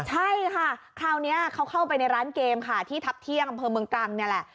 ใช่ค่ะคราวนี้เขาเข้าไปในร้านเกมค่ะที่ทัพเที่ยงอำเภอเมืองตรังนี่แหละ